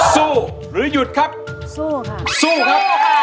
สู้หรือหยุดครับสู้ค่ะสู้ครับ